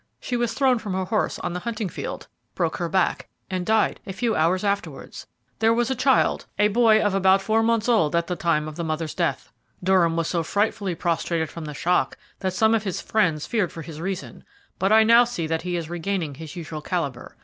She was thrown from her horse on the hunting field; broke her back, and died a few hours afterwards. There was a child, a boy of about four months old at the time of the mother's death. Durham was so frightfully prostrated from the shock that some of his friends feared for his reason; but I now see that he is regaining his usual calibre.